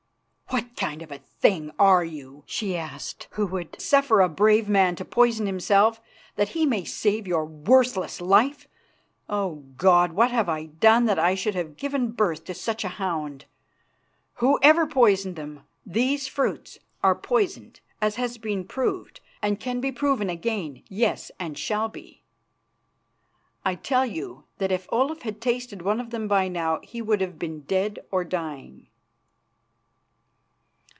"What kind of a thing are you," she asked, "who would suffer a brave man to poison himself that he may save your worthless life? Oh! God, what have I done that I should have given birth to such a hound? Whoever poisoned them, these fruits are poisoned, as has been proved and can be proved again, yes, and shall be. I tell you that if Olaf had tasted one of them by now he would have been dead or dying."